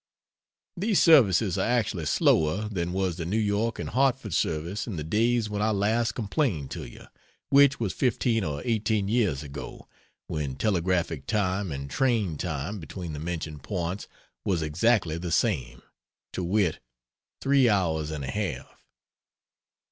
These services are actually slower than was the New York and Hartford service in the days when I last complained to you which was fifteen or eighteen years ago, when telegraphic time and train time between the mentioned points was exactly the same, to wit, three hours and a half.